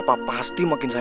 tempat gak keliatan